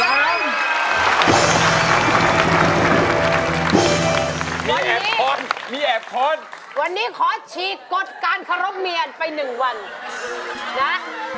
วันนี้ขอฉีกกฎการเคารพเมียนไป๑วันนะ